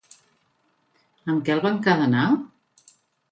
Amb què el va encadenar?